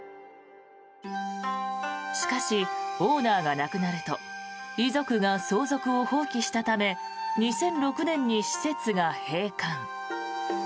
しかし、オーナーが亡くなると遺族が相続を放棄したため２００６年に施設が閉館。